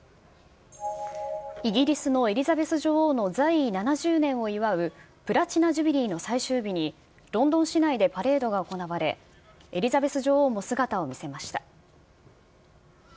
イギリスのエリザベス女王の在位７０年を祝うプラチナ・ジュビリーの最終日にロンドン市内でパレードが行われ、エリザベス女王も姿を見せました。